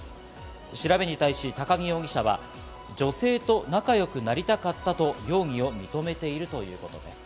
調べに対し都木容疑者は女性と仲良くなりたかったと容疑を認めているということです。